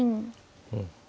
うん。